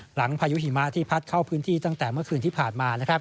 พายุหิมะที่พัดเข้าพื้นที่ตั้งแต่เมื่อคืนที่ผ่านมา